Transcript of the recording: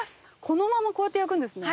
このままこうやって焼くんですね。